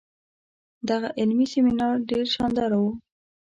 دغه علمي سیمینار ډیر شانداره وو.